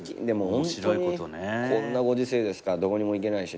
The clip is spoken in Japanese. でもこんなご時世ですからどこにも行けないしね。